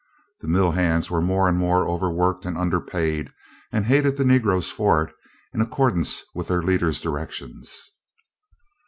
The mill hands were more and more overworked and underpaid, and hated the Negroes for it in accordance with their leaders' directions.